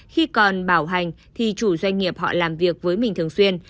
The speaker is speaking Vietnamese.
khi còn bảo hành thì chủ doanh nghiệp họ làm việc với mình thường xuyên